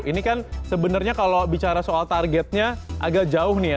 ini kan sebenarnya kalau bicara soal targetnya agak jauh nih ya